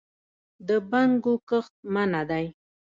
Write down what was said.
د بنګو کښت منع دی؟